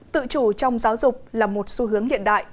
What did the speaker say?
tự chủ trong giáo dục là một xu hướng hiện đại